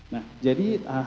nah jadi tadi